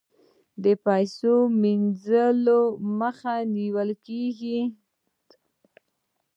د پیسو مینځلو مخه نیول کیږي